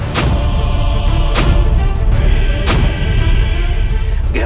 berdiri di dunia ini